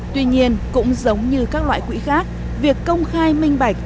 tuy nhiên cũng giống như các loại quỹ khác việc công khai minh bạch